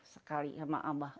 sekali sama abah